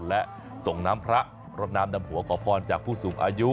และส่งน้ำพระรดน้ำดำหัวขอพรจากผู้สูงอายุ